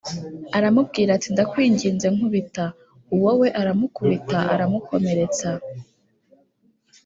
aramubwira ati “Ndakwinginze nkubita” Uwo we aramukubita aramukomeretsa